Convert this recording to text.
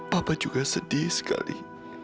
papa juga sedih sekali